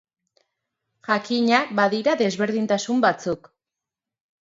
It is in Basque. Jakina, badira desberdintasun batzuk.